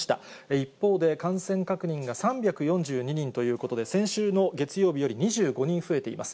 一方で、感染確認が３４２人ということで、先週の月曜日より２５人増えています。